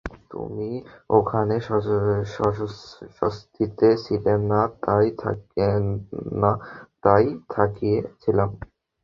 তুমি ওখানে স্বস্তিতে ছিলে না তাই থাকিয়ে ছিলাম।